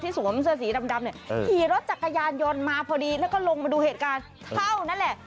สวมเสื้อสีดำเนี่ยขี่รถจักรยานยนต์มาพอดีแล้วก็ลงมาดูเหตุการณ์เท่านั้นแหละ